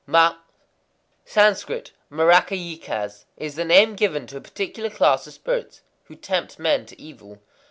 Ma (Sanscrit, Mârakâyikas) is the name given to a particular class of spirits who tempt men to evil.